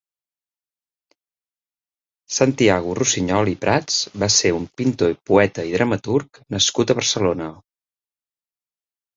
Santiago Rusiñol i Prats va ser un pintor poeta i dramaturg nascut a Barcelona.